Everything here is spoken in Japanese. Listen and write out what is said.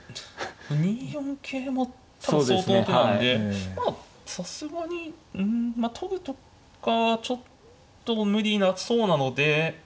２四桂も多分相当な手なんでさすがに取るとかはちょっと無理そうなので。